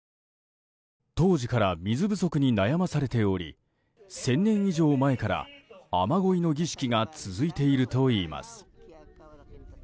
当時から水不足に悩まされており１０００年以上前から雨乞いの儀式が続いているといいます。